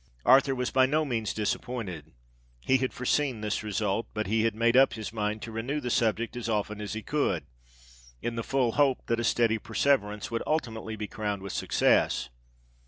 Arthur was by no means disappointed: he had foreseen this result—but he had made up his mind to renew the subject as often as he could, in the full hope that a steady perseverance would ultimately be crowned with success.